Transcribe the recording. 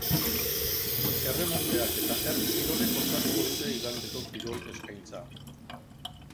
Erremonteak eta herri kirolek osatuko dute igandeko kirol eskaintza.